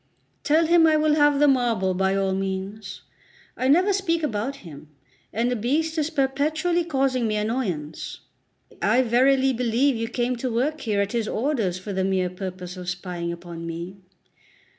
Tell him I will have the marble by all means. I never speak about him, and the beast is perpetually causing me annoyance. I verily believe you came to work here at his orders for the mere purpose of spying upon me.